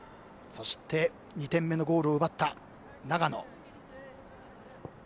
そして２点目のゴールを奪った長野。